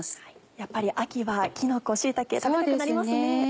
やっぱり秋はきのこ椎茸食べたくなりますね。